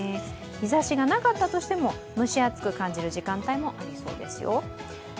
日ざしがなかったとしても蒸し暑く感じる時間帯ありそうですよ。